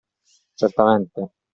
Certamente.